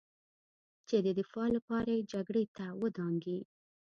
چې د دفاع لپاره یې جګړې ته ودانګي